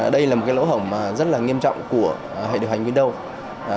đây là một cái lỗ hổng rất là nghiêm trọng của hệ điều hành windows